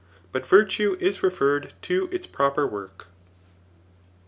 But virtue is referred to its pro per work.